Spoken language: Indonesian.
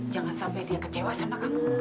jangan sampai dia kecewa sama kamu